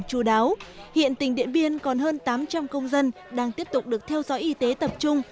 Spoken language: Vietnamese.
chú đáo hiện tỉnh điện biên còn hơn tám trăm linh công dân đang tiếp tục được theo dõi y tế tập trung